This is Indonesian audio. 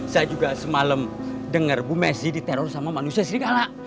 saya juga semalam dengar bu messi diteror sama manusia sih galak